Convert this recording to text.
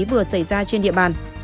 vừa xảy ra trên địa bàn